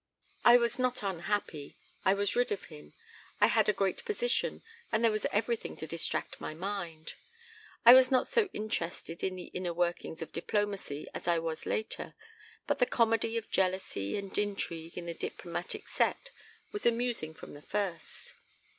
"I was not unhappy. I was rid of him. I had a great position and there was everything to distract my mind. I was not so interested in the inner workings of diplomacy as I was later, but the comedy of jealousy and intrigue in the diplomatic set was amusing from the first.